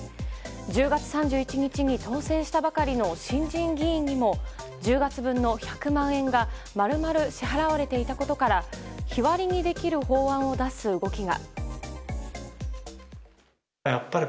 １０月３１日に当選したばかりの新人議員にも１０月分の１００万円が丸々支払われたいたことから日割にできる法案を出す動きが。